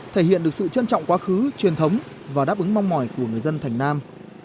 thể hiện được sự trân trọng quá khứ truyền thống và đáp ứng mong mỏi của người dân thành nam